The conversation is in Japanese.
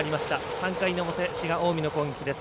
３回の表、滋賀、近江の攻撃です。